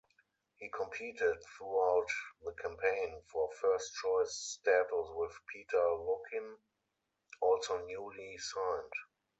He competed throughout the campaign for first-choice status with Peter Luccin, also newly signed.